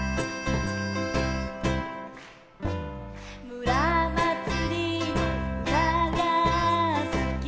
「むらまつりのうたがすき」